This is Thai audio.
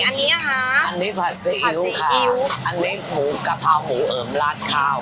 อันนี้นะคะอันนี้ผัดซีอิ๊วค่ะอิ๋วอันนี้หมูกะเพราหมูเอิมลาดข้าว